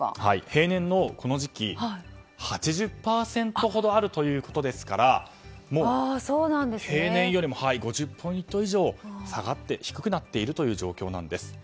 平年のこの時期８０％ほどあるということですからもう、平年より５０ポイント以上低くなっているという状況なんです。